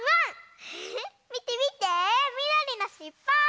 みてみてみどりのしっぽ！